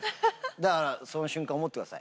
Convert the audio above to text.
だから、その瞬間思ってください。